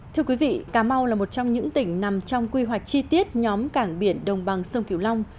thưa quý vị cà mau là một trong những tỉnh nằm trong quy hoạch chi tiết nhóm cảng biển đồng bằng sông kiều long